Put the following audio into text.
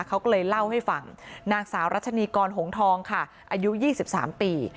เขาก็เลยเล่าให้ฟังนางสาวรัชนีกรหงทองค่ะอายุ๒๓ปี